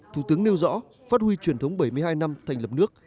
thủ tướng nêu rõ phát huy truyền thống bảy mươi hai năm thành lập nước